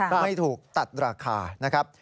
ไม่ถูกตัดราคานะครับ